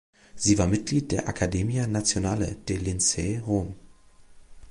Sie war Mitglied der Accademia Nazionale dei Lincei, Rom.